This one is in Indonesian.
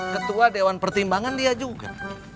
ketua dewan pertimbangan dia juga